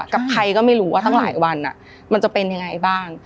กับใครก็ไม่รู้ว่าตั้งหลายวันมันจะเป็นยังไงบ้าง